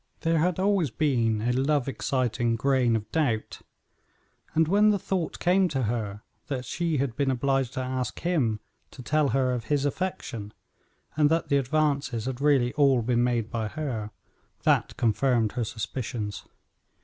There had always been a love exciting grain of doubt; and when the thought came to her that she had been obliged to ask him to tell her of his affection, and that the advances had really all been made by her, that confirmed her suspicions.